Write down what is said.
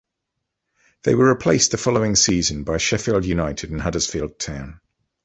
They were replaced the following season by Sheffield United and Huddersfield Town.